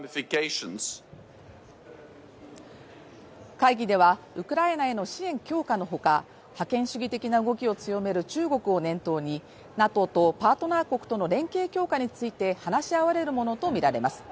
会議では、ウクライナへの支援強化のほか、覇権主義的な動きを強める中国を念頭にＮＡＴＯとパートナー国との連携強化について話し合われるものとみられます。